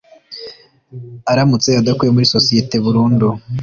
aramutse adakuwe muri sosiyete burundu